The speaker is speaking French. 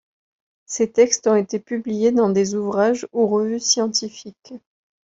Ses textes ont été publiés dans des ouvrages ou revues scientifiques.